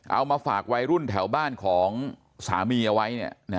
เอามาฝากวัยรุ่นแถวบ้านของสามีเอาไว้